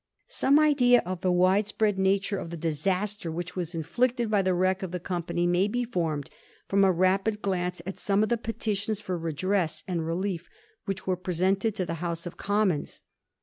Some idea of the wide spread nature of the disaster which was inflicted by the wreck of the company may be formed fi:om a rapid glance at some of the petitions for redress and relief which were presented to the House of Commons.